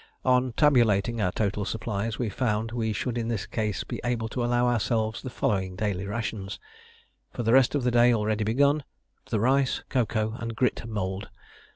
On tabulating our total supplies, we found we should in this case be able to allow ourselves the following daily rations: For the rest of the day already begun, the rice, cocoa, and grit mould.